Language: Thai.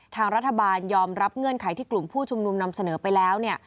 ทางรัฐบาลยอมรับเงื่อนไขที่กลุ่มผู้ชุมนุมนำเสนอไปแล้ว